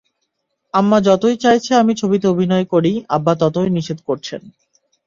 আম্মা যতই চাইছেন আমি ছবিতে অভিনয় করি, আব্বা ততই নিষেধ করছেন।